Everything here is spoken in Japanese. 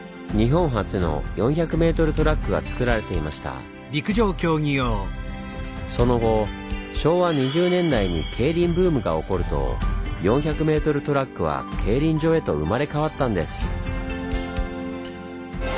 もともとここにはその後昭和２０年代に競輪ブームが起こると４００ｍトラックは競輪場へと生まれ変わったんです。